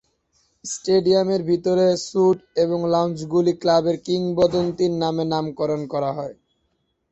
স্টেডিয়ামের ভিতরে, স্যুট এবং লাউঞ্জগুলি ক্লাবের কিংবদন্তির নামে নামকরণ করা হয়।